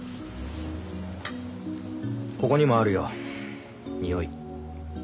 ここにもあるよ匂い。